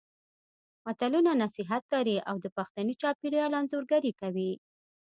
متلونه نصيحت لري او د پښتني چاپېریال انځورګري کوي